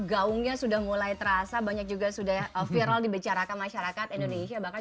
gaungnya sudah mulai terasa banyak juga sudah viral dibecarakan masyarakat indonesia bahkan